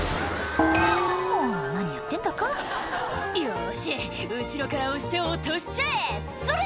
もう何やってんだか「よし後ろから押して落としちゃえそれ！」